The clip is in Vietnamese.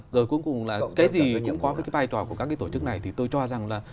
rồi cuối cùng là cái gì cũng có với cái vai trò của các cái tổ chức này thì tôi cho rằng là